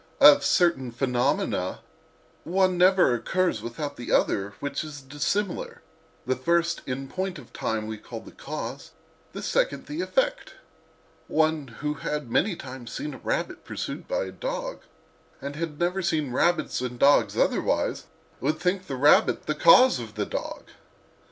Of certain phenomena, one never occurs without another, which is dissimilar: the first in point of time we call cause, the second, effect. One who had many times seen a rabbit pursued by a dog, and had never seen rabbits and dogs otherwise, would think the rabbit the cause of the dog.